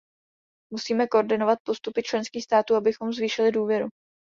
Musíme koordinovat postupy členských států, abychom zvýšili důvěru.